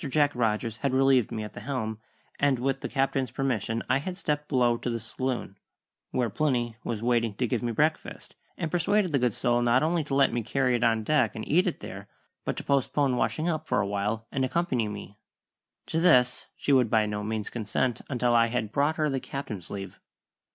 Jack Rogers had relieved me at the helm, and with the Captain's permission I had stepped below to the saloon, where Plinny was waiting to give me breakfast, and persuaded the good soul not only to let me carry it on deck and eat it there, but to postpone washing up for a while and accompany me. To this she would by no means consent until I had brought her the Captain's leave.